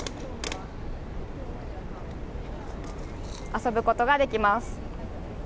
遊ぶことができます。